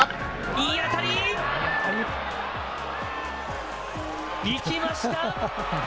いい当たり！いきました！